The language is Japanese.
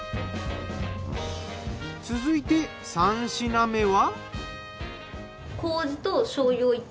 続いて３品目は。